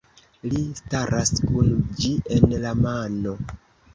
Li staras kun ĝi en la mano.